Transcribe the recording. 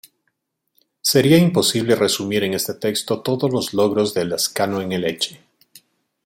Sería imposible resumir en este texto todos los logros de Lezcano en el Elche.